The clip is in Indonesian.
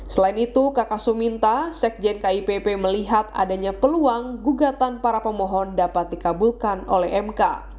selain itu kakak suminta sekjen kipp melihat adanya peluang gugatan para pemohon dapat dikabulkan oleh mk